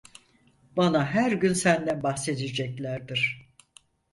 Bana her gün senden bahsedeceklerdir.